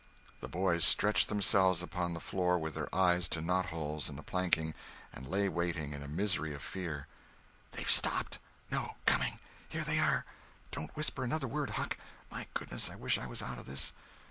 The boys stretched themselves upon the floor with their eyes to knotholes in the planking, and lay waiting, in a misery of fear. "They've stopped.... No—coming.... Here they are. Don't whisper another word, Huck. My goodness, I wish I was out of this!"